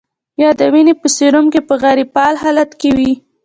یا د وینې په سیروم کې په غیر فعال حالت کې وي.